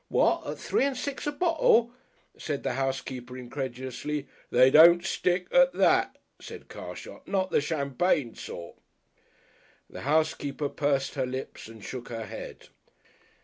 "What! At three and six a bottle!" said the housekeeper incredulously. "They don't stick at that," said Carshot; "not the champagne sort." The housekeeper pursed her lips and shook her head....